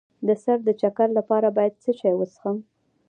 د سر د چکر لپاره باید څه شی وڅښم؟